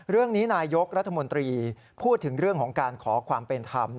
เรื่องนี้นายยกรัฐมนตรีพูดถึงเรื่องของการขอความเป็นธรรม